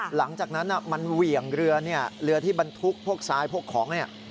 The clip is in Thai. หลังจากนั้นมันเหวี่ยงเรือเนี่ยเรือที่บรรทุกพวกทรายพวกของเนี่ย